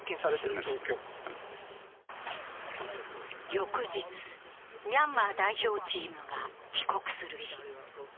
翌日、ミャンマー代表チームが帰国する日。